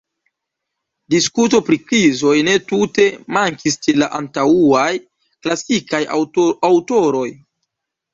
Diskuto pri krizoj ne tute mankis ĉe la antaŭaj klasikaj aŭtoroj.